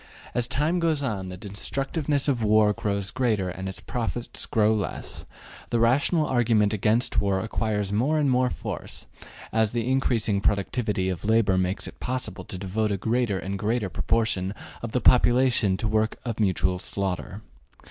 As time goes on, the destructiveness of war grows greater and its profits grow less: the rational argument against war acquires more and more force as the increasing productivity of labor makes it possible to devote a greater and greater proportion of the population to the work of mutual slaughter.